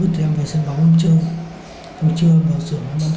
vứt thì em về sân bóng ông chơi hôm trưa vào sửa ông bán